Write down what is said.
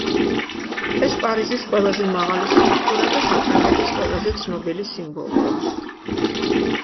ეს პარიზის ყველაზე მაღალი სტრუქტურა და საფრანგეთის ყველაზე ცნობილი სიმბოლოა.